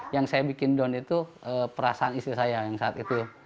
yang saya bikin down itu perasaan istri saya yang saat itu